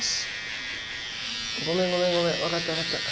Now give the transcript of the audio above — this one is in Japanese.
ごめんごめんごめん分かった分かった。